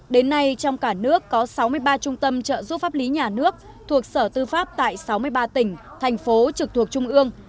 đến nay trong cả nước có sáu mươi ba trung tâm trợ giúp pháp lý nhà nước thuộc sở tư pháp tại sáu mươi ba tỉnh thành phố trực thuộc trung ương